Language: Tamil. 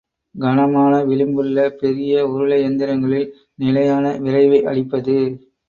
கனமான விளிம்புள்ள பெரிய உருளை எந்திரங்களில் நிலையான விரைவை அளிப்பது.